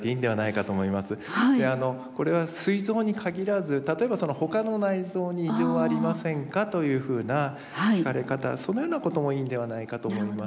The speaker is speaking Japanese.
これはすい臓に限らず例えば他の内臓に異常はありませんかというふうな聞かれ方そのようなこともいいんではないかと思います。